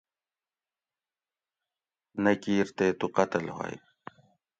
نہ کیر تے تُو قتل ہوئے